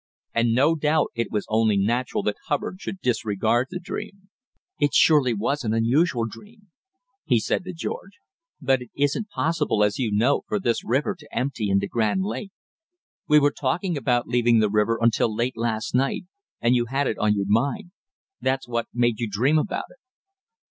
and no doubt it was only natural that Hubbard should disregard the dream. "It surely was an unusual dream," he said to George; "but it isn't possible, as you know, for this river to empty into Grand Lake. We were talking about leaving the river until late last night, and you had it on your mind that's what made you dream about it."